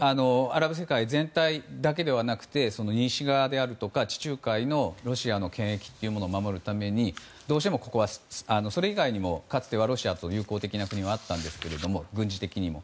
アラブ世界全体だけではなくて西側であるとか地中海のロシアの権益を守るためにどうしてもここはそれ以外にもかつてはロシアと友好的な国があったんですけれども軍事的にも。